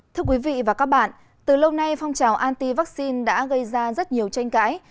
thưa quý vị và các bạn từ lâu nay phong trào anti vaccine đã gây ra rất nhiều tranh cãi